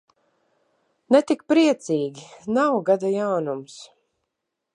Ne tik priecīgi, nav gada jaunums.